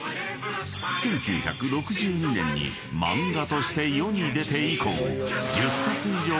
［１９６２年に漫画として世に出て以降］